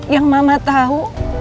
yang mama tau